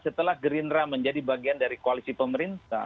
setelah gerindra menjadi bagian dari koalisi pemerintah